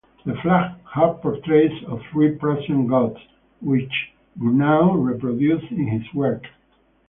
The flag had portraits of three Prussian gods, which Grunau reproduced in his work.